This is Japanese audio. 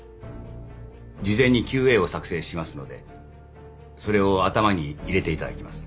事前にＱＡを作成しますのでそれを頭に入れていただきます。